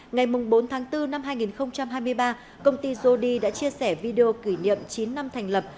ngày bốn tháng bốn năm hai nghìn hai mươi ba công ty zody đã chia sẻ video kỷ niệm chín năm thành lập